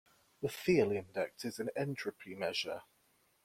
The Theil index is an entropy measure.